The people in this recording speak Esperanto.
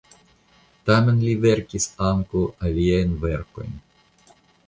Tamen li verkis ankaŭ aliajn verkojn.